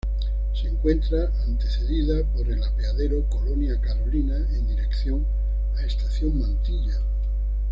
Se encuentra antecedida por el Apeadero Colonia Carolina, en dirección a Estación Mantilla.